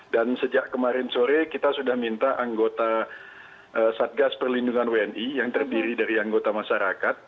dan sejak kemarin sore kita sudah minta anggota satgas perlindungan wni yang terdiri dari anggota masyarakat